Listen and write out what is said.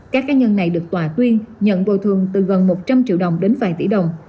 các cá nhân này được tòa tuyên nhận bồi thường từ gần một trăm linh triệu đồng đến vài tỷ đồng